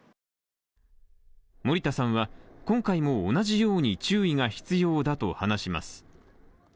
森田さんは今回も同じように注意が必要だと話します。